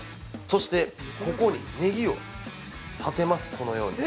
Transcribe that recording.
そして、ここにネギを立てますこのように。